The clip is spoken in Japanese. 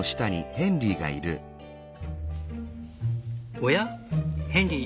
おやヘンリー